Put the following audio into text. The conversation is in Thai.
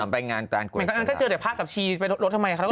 เต่งงานด้านกรวยสลากเหรอน่าเป็นงานด้านกรวยสลาก